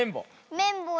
めんぼうだ。